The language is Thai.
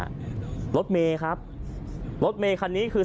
รถเมย์ครับรถเมคันนี้คือ